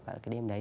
cả cái đêm đấy